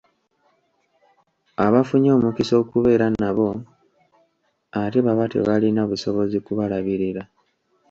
Abafunye omukisa okubeera nabo ate baba tebalina busobozi kubalabirira.